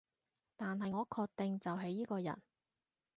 但係我確定就係依個人